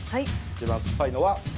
一番酸っぱいのは。